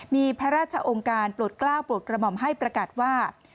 มีพระราชองค์การปลดกล้าปลดกรมอมให้ปรากัดว่า